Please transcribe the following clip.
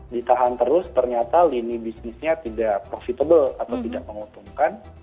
ditahan terus ternyata lini bisnisnya tidak profitable atau tidak menguntungkan